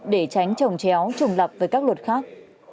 để tránh trồng chéo trùng lập với các luật khác